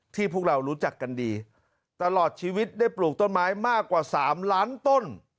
พวกเรารู้จักกันดีตลอดชีวิตได้ปลูกต้นไม้มากกว่า๓ล้านต้น